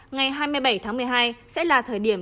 ngày hai mươi bảy tháng một mươi hai sẽ là thời điểm